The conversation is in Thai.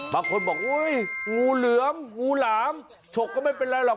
บางคนบอกงูเหลือมงูหลามฉกก็ไม่เป็นไรหรอก